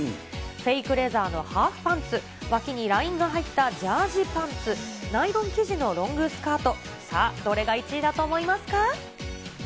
フェイクレザーのハーフパンツ、脇にラインが入ったジャージパンツ、ナイロン生地のロングスカート。